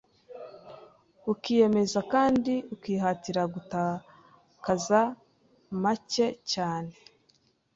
ukiyemeza kandi ukihatira gutakaza macye cyane